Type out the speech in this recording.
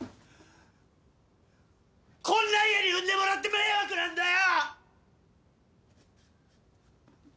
こんな家に生んでもらって迷惑なんだよ！！